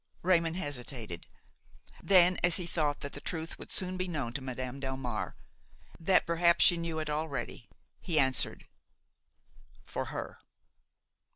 Raymon hesitated; then, as he thought that the truth would soon be known to Madame Delmare, that perhaps she knew it already, he answered: "For her."